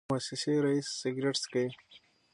موسسې رییس سګرټ څکوي.